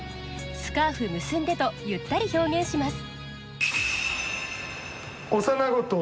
「スカーフ結んで」とゆったり表現します。